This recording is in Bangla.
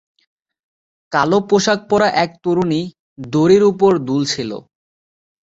কালো পোশাক পরা এক তরুণী দড়ির ওপর দুলছিল।